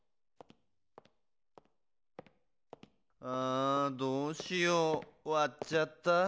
あどうしようわっちゃった。